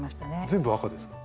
全部赤ですか？